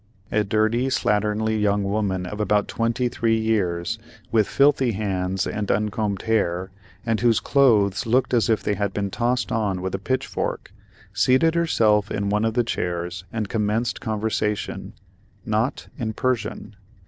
A dirty slatternly young woman of about twenty three years, with filthy hands and uncombed hair, and whose clothes looked as if they had been tossed on with a pitchfork, seated herself in one of the chairs and commenced conversation—not in Persian.